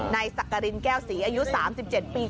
สักกรินแก้วศรีอายุ๓๗ปี